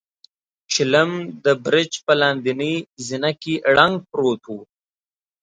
چيلم د برج په لاندنۍ زينه کې ړنګ پروت و.